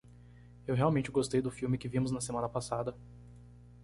Eu realmente gostei do filme que vimos na semana passada.